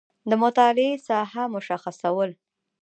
د مطالعې ساحه مشخصول